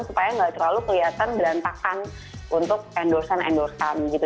supaya nggak terlalu kelihatan berantakan untuk endorse an endorse an gitu